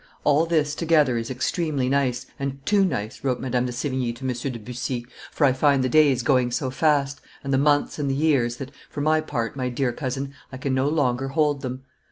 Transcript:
"All this together is extremely nice, and too nice," wrote Madame de Sevigne to M. de Bussy, "for I find the days going so fast, and the months and the years, that, for my part, my dear cousin, I can no longer hold them.